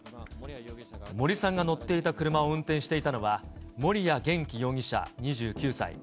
森さんが乗っていた車を運転していたのは、森谷元気容疑者２９歳。